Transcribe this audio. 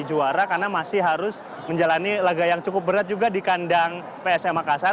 juara karena masih harus menjalani laga yang cukup berat juga di kandang psm makassar